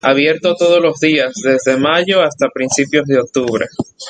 Abierto todos los días, desde mayo hasta principios de octubre.